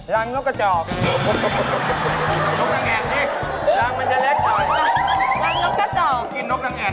รังนกกระจอก